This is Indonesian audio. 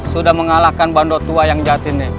sudah mengalahkan bandotua yang jatine